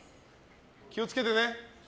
気を付けてね。